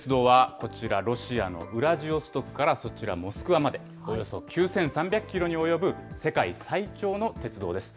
シベリア鉄道はこちらロシアのウラジオストクで、そちら、モスクワまでおよそ９３００キロに及ぶ世界最長の鉄道です。